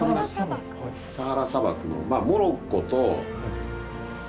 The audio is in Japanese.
サハラ砂漠のまあモロッコと。